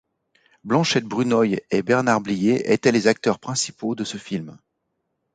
Blanchette Brunoy et Bernard Blier étaient les acteurs principaux de ce film.